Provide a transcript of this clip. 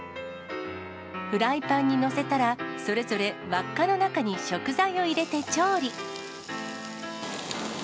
フライパンに載せたらそれぞれ輪っかの中に食材を入れて調理。